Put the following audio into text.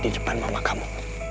di depan mama kamu